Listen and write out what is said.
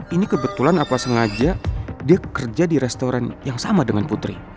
ini kebetulan apa sengaja dia kerja di restoran yang sama dengan putri